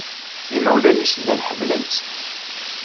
Imawlan-nnes llan ḥemmlen-tt.